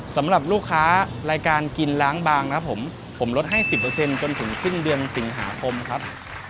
สำหรับลูกค้ารายการกินล้างบางนะครับผมผมลดให้๑๐จนถึงสิ้นเดือนสิงหาคมครับ